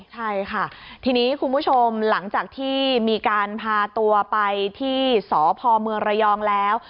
ใช่ค่ะทีนี้คุณผู้ชมหลังจากที่มีการพาตัวไปที่สพเมืองระยองแล้ว